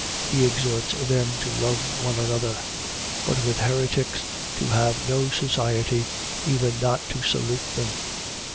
He exhorts them to love one another. But with heretics to have no society, even not to salute them.